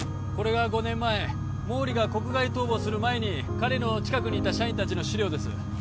これが５年前毛利が国外逃亡する前に彼の近くにいた社員達の資料です